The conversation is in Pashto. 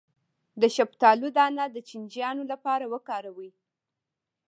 د شفتالو دانه د چینجیانو لپاره وکاروئ